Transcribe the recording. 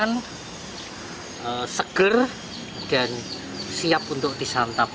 ini udah segar dan siap untuk disantap